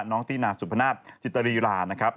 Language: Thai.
น้องตินาสุพนาศจิตรีรานะครับ